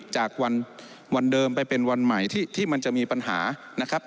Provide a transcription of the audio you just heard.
จากวันเดิมไปเป็นวันใหม่ที่มันจะมีปัญหานะครับ